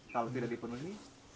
kalau tidak dipenuhi